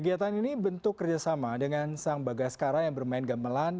kegiatan ini bentuk kerjasama dengan sang bagaskara yang bermain gamelan